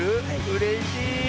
うれしい。